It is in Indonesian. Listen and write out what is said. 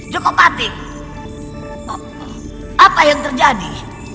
jogopati apa yang terjadi